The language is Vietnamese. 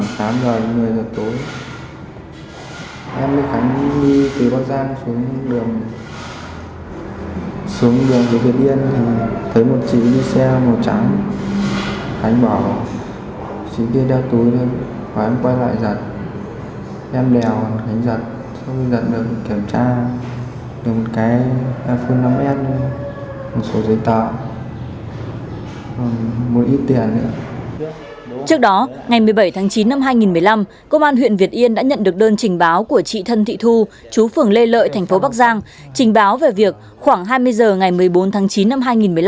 trước đó ngày một mươi bảy tháng chín năm hai nghìn một mươi năm công an huyện việt yên đã nhận được đơn trình báo của trị thân thị thu chú phường lê lợi thành phố bắc giang trình báo về việc khoảng hai mươi h ngày một mươi bốn tháng chín năm hai nghìn một mươi năm